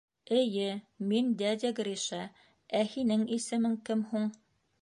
— Эйе, мин дядя Гриша, ә һинең исемең кем һуң?